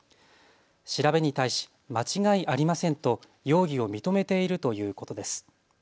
調べに対し間違いありませんと容疑を認めているということです。